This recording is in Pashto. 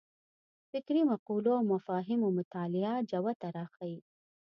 فکري مقولو او مفاهیمو مطالعه جوته راښيي.